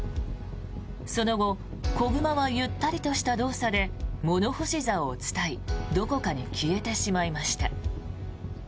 その後、子熊はゆったりとした動作で物干しざおを伝いどこかに消えてしまいました。